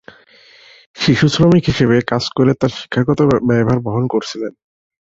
শিশুশ্রমিক হিসাবে কাজ করে তার শিক্ষাগত ব্যয়ভার বহন করেছিলেন।